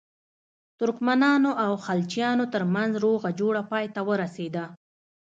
ترکمنانو او خلجیانو ترمنځ روغه جوړه پای ته ورسېده.